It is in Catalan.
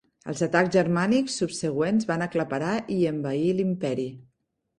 Els atacs germànics subsegüents van aclaparar i envair l'imperi.